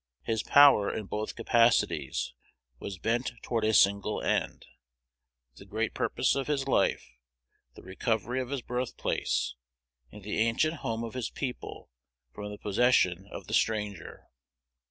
His power in both capacities was bent toward a single end, the great purpose of his life, the recovery of his birthplace and the ancient home of his people from the possession of the stranger.